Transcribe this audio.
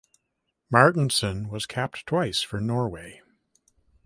Martinsen was capped twice for Norway.